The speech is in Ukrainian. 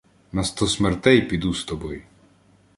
На сто смертей піду з тобой.